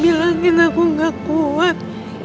bilangin aku gak kuat